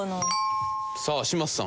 さあ嶋佐さん。